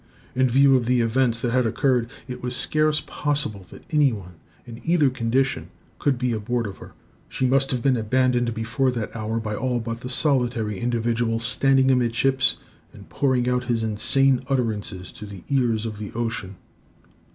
In view of the events that had occurred, it was scarce possible that anyone, in either condition, could be aboard of her. She must have been abandoned, before that hour, by all but the solitary individual standing amidships, and pouring out his insane utterances to the ears of the ocean.